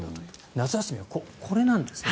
夏休みはこれなんですね。